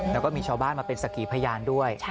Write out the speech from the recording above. แล้วก็มีชาวบ้านมาเป็นสักขีพยานด้วย